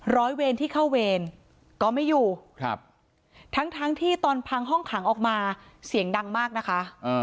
ร้อยเวรที่เข้าเวรก็ไม่อยู่ทั้งที่ตอนพังห้องขังออกมาเสียงดังมากนะคะ